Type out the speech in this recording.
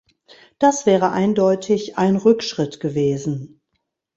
Das wäre eindeutig ein Rückschritt gewesen.